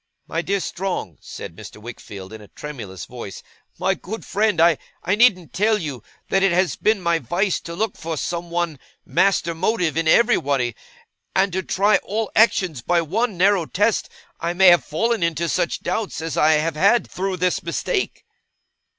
'My dear Strong,' said Mr. Wickfield in a tremulous voice, 'my good friend, I needn't tell you that it has been my vice to look for some one master motive in everybody, and to try all actions by one narrow test. I may have fallen into such doubts as I have had, through this mistake.